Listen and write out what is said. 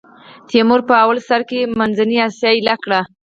تیمور په لومړي سر کې منځنۍ اسیا ایل کړه.